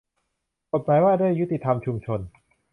กฎหมายว่าด้วยยุติธรรมชุมชน